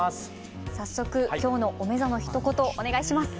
早速今日のおめざのひと言お願いします。